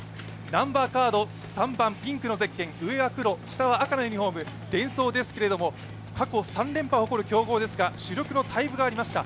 ナンバーカード３番、ピンクのユニフォーム、上は黒、下は赤のユニフォームデンソーですけども、過去３連覇を誇る強豪ですが主力の退部がありました。